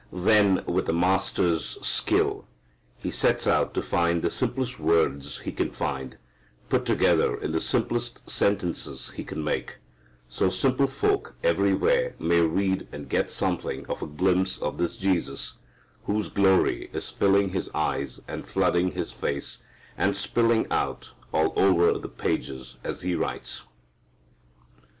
Then with a master's skill he sets out to find the simplest words he can find, put together in the simplest sentences he can make, so simple folk everywhere may read and get something of a glimpse of this Jesus, whose glory is filling his eyes and flooding his face and spilling out all over the pages as he writes.